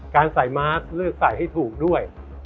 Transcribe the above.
การใส่มาร์คเลือกใส่ให้ถูกด้วย